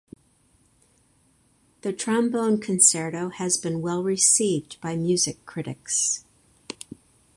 The Trombone Concerto has been well received by music critics.